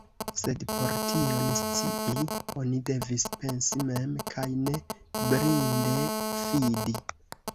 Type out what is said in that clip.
Sed por tion scii, oni devis pensi mem, kaj ne blinde fidi.